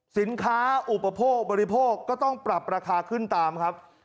สินค้าอุปโภคบริโภคก็ต้องปรับราคาขึ้นตามครับ